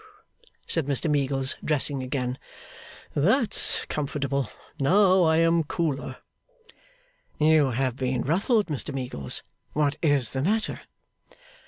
said Mr Meagles, dressing again. 'That's comfortable. Now I am cooler.' 'You have been ruffled, Mr Meagles. What is the matter?